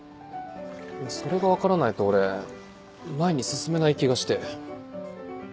それが分からないと俺前に進めない気がして。